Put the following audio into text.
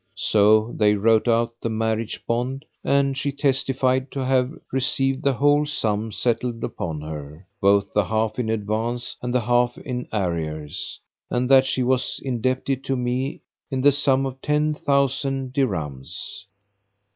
So they wrote out the marriage bond and she testified to have received the whole sum settled upon her, both the half in advance and the half in arrears; and that she was indebted to me in the sum of ten thousand dirhams.